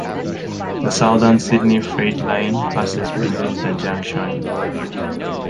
The Southern Sydney Freight Line passes beneath the junction.